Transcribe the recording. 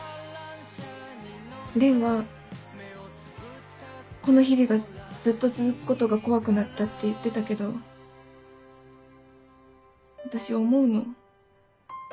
蓮は「この日々がずっと続くことが怖くなった」って言ってたけど私思うの。